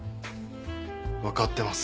わかってます。